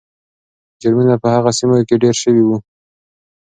جرمونه په هغو سیمو کې ډېر شوي وو.